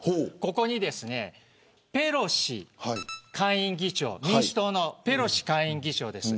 ここに、ペロシ下院議長民主党のペロシ下院議長です。